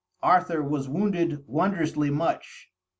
Arthur was wounded wondrously much.